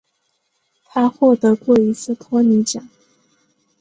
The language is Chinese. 他获得过一次托尼奖。